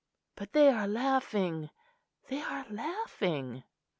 "But they are laughing, they are laughing!"